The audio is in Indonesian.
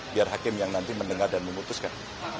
biar hakim yang nanti mendengar dan memutuskan